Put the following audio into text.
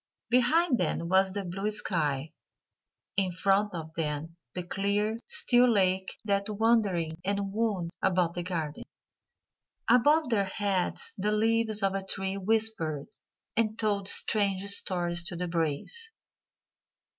Behind them was the blue sky; in front of them the clear, still lake that wandered and wound about the garden; above their heads the leaves of a tree whispered and told strange stories to the breeze.